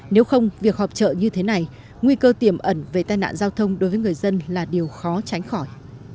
nếu không việc họp chợ như thế này nguy cơ tiềm ẩn về tai nạn giao thông đối với người dân là điều khó tránh khỏi